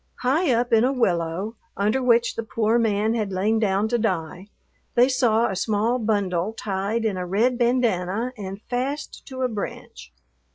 High up in a willow, under which the poor man had lain down to die, they saw a small bundle tied in a red bandanna and fast to a branch.